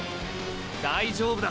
大丈夫だ！